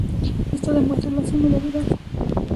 Esto demuestra la similaridad.